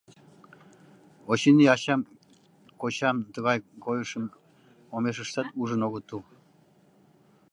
Очыни, ачам-кочам тыгай койышым омешыштат ужын огытыл...